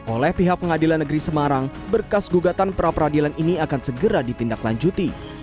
oleh pihak pengadilan negeri semarang berkas gugatan pra peradilan ini akan segera ditindaklanjuti